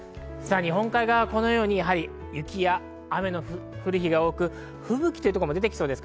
日本海側、このように雪や雨の降る日が多く、吹雪というところもでてきそうです。